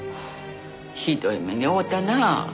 ひどい目に遭うたなあ。